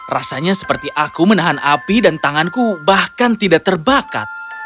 rasanya seperti aku menahan api dan tanganku bahkan tidak terbakar